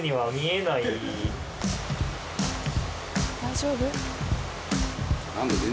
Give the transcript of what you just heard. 大丈夫？